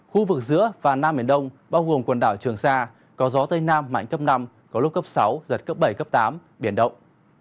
khu vực giữa và nam biển đông bao gồm quần đảo trường sa có gió tây nam mạnh cấp năm có lúc cấp sáu giật cấp bảy cấp tám biển động